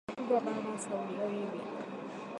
lakini inakuja baada ya Saudi Arabia